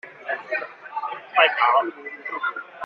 快跑！